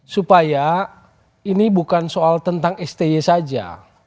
supaya ini bukan soal tentang sti saja